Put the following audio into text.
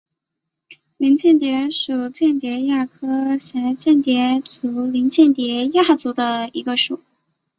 林蚬蝶属是蚬蝶亚科蛱蚬蝶族林蚬蝶亚族里的一个属。